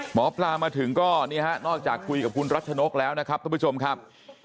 หมอปลามาถึงก็นี่ฮะนอกจากคุยกับคุณรัชนกแล้วนะครับท่านผู้ชมครับ